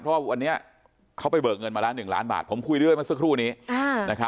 เพราะว่าวันนี้เขาไปเบิกเงินมาแล้ว๑ล้านบาทผมคุยเรื่อยมาสักครู่นี้